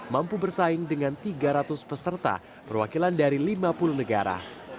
mampu bersaing dengan tiga ratus peserta perwakilan dari lima puluh negara